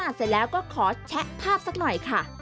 เสร็จแล้วก็ขอแชะภาพสักหน่อยค่ะ